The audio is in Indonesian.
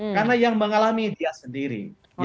karena yang mengalami dia sendiri